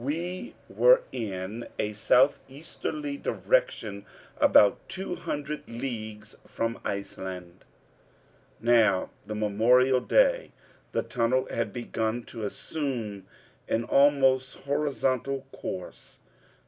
We were in a southeasterly direction, about two hundred leagues from Iceland. On that memorable day the tunnel had begun to assume an almost horizontal course.